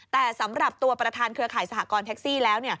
แต่สำหรับตัวประธานเครือข่ายสหกรณ์แท็กซี่แล้ว